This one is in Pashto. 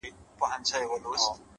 هندي لبانو دې سور اور د دوزخ ماته راوړ’